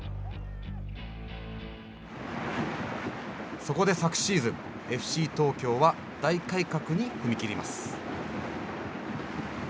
そこで昨シーズンＦＣ東京は大改革に踏み切ります。